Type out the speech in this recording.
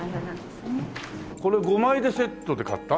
これ５枚でセットで買った？